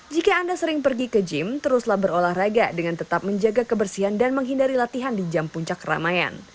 jika anda sering pergi ke gym teruslah berolahraga dengan tetap menjaga kebersihan dan menghindari latihan di jam puncak ramaian